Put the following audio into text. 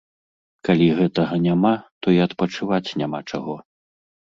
Калі гэтага няма, то і адпачываць няма чаго.